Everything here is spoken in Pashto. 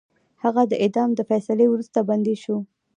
هغه د اعدام د فیصلې وروسته بندي شو.